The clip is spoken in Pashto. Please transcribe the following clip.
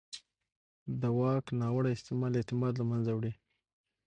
د واک ناوړه استعمال اعتماد له منځه وړي